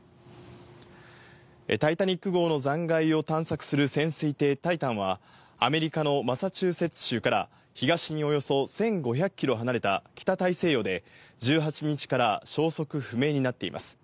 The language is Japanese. タイタニック号の残骸を探索する潜水艇タイタンは、アメリカのマサチューセッツ州から東におよそ１５００キロ離れた北大西洋で、１８日から消息不明になっています。